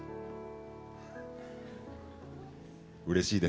うれしいです。